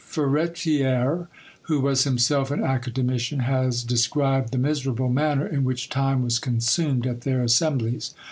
Furetière, who was himself an academician, has described the miserable manner in which time was consumed at their assemblies.